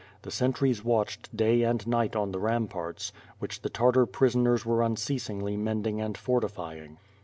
The sentries watched day and night on the ramparts, which the Tartar prisoners were unceasingly mending and fortifying.